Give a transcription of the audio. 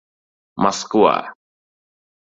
— Moskva!!!